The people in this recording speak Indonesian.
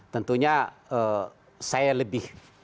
tentunya saya lebih